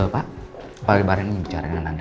pak pak aldebaran ingin bicara dengan anda